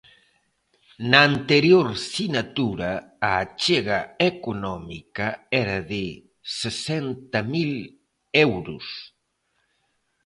Na anterior sinatura a achega económica era de sesenta mil euros.